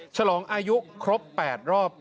ฉลองอายุครบ๘รอบ